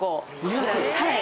はい。